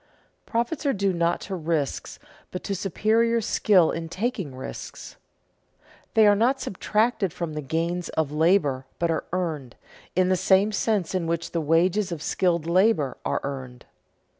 Profits are due not to risks, but to superior skill in taking risks. They are not subtracted from the gains of labor but are earned, in the same sense in which the wages of skilled labor are earned.